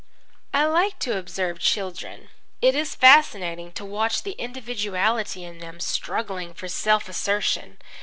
I like to observe children. It is fascinating to watch the individuality in them struggling for self assertion.